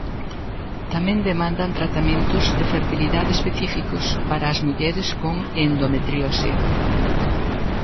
Tamén demandan tratamentos de fertilidade específicos para as mulleres con endometriose.